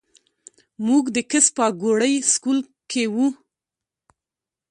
مونږ د کس پاګوړۍ سکول کښې وو